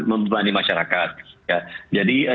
membebani masyarakat jadi